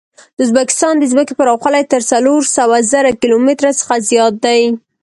د ازبکستان د ځمکې پراخوالی تر څلور سوه زره کیلو متره څخه زیات دی.